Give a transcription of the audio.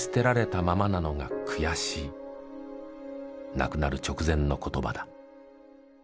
亡くなる直前の言葉だ。